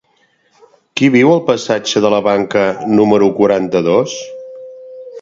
Qui viu al passatge de la Banca número quaranta-dos?